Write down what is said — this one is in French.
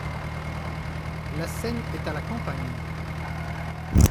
La scène est à la campagne.